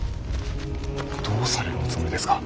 どうされるおつもりですか。